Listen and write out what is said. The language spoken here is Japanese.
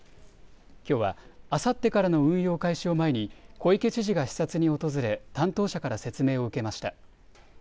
きょうはあさってからの運用開始を前に小池知事が視察に訪れ担当者から説明を受けました。